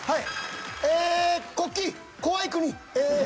ええ国旗怖い国。